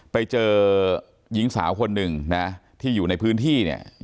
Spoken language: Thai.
ไปเจอหญิงสาวคนหนึ่งนะที่อยู่ในพื้นที่เนี่ย